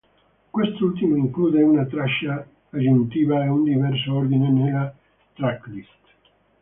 Quest'ultimo include una traccia aggiuntiva e un diverso ordine nella tracklist.